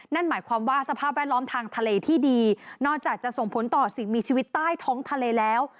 นั่นหมายความว่าสภาพแวดล้อมทางทะเลที่ดีนอกจากจะส่งผลต่อสิ่งมีชีวิตใต้ท้องทะเลแล้ว